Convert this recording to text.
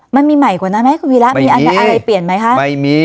มันมีใหม่กว่านั้นไหมคุณวีรัตน์ไม่มีมีอะไรเปลี่ยนไหมฮะไม่มี